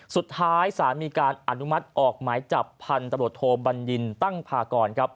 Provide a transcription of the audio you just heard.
สุดท้ายศาลมีการอนุมัติออกหมายจับพันธบรวจโทบัญญินตั้งพากรครับ